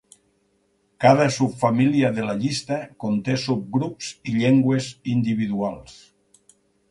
Cada subfamília de la llista conté subgrups i llengües individuals.